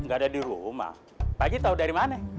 ga ada di rumah pak ajie tau dari mana